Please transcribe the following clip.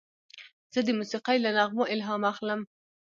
زه د موسیقۍ له نغمو الهام اخلم.